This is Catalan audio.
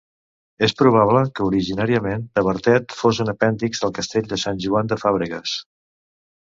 És probable que, originàriament, Tavertet fos un apèndix del castell de Sant Joan de Fàbregues.